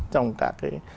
trong cả cái